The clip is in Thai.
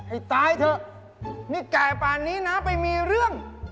ไอ้ตายเถอะนี่แก่ป่านนี้นะไปมีเรื่อง